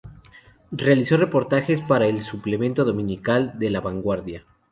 Realizó reportajes para el suplemento dominical de "La Vanguardia".